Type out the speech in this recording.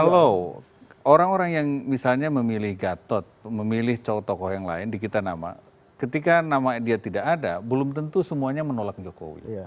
kalau orang orang yang misalnya memilih gatot memilih cowok tokoh yang lain di kita nama ketika nama dia tidak ada belum tentu semuanya menolak jokowi